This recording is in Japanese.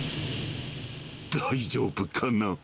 大丈夫かな。